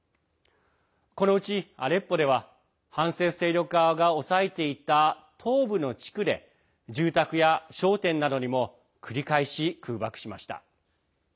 このうちアレッポでは反政府勢力側が押さえていた東部の地区で住宅や商店などにも繰り返し空爆しました。